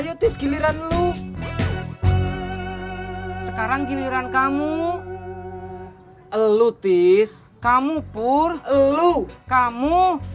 ayo tes giliran lu sekarang giliran kamu elu tis kamu pur lu kamu